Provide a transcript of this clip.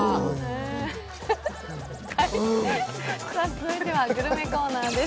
続いてはグルメコーナーです。